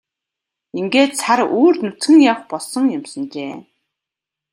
Ингээд сар үүрд нүцгэн явах болсон юмсанжээ.